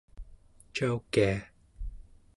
caukia